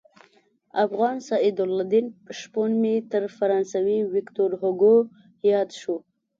افغان سعدالدین شپون مې تر فرانسوي ویکتور هوګو ياد شو.